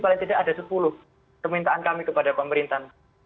paling tidak ada sepuluh permintaan kami kepada pemerintah